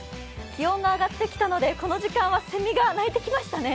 気温が上がってきたので、この時間は、せみが鳴いてきましたね。